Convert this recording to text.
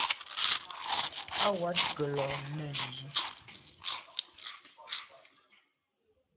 À wat nkelo nèn yi.